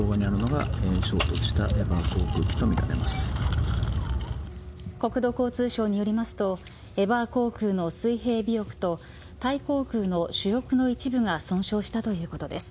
向こう側にあるのが衝突したエバー航空機と国土交通省によりますとエバー航空の水平尾翼とタイ航空の主翼の一部が損傷したということです。